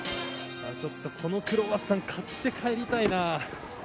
このクロワッサン買って帰りたいな。